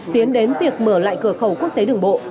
tiến đến việc mở lại cửa khẩu quốc tế đường bộ